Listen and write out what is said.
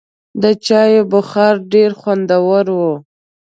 د چای بخار ډېر خوندور و.